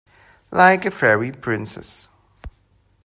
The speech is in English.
Like a fairy princess.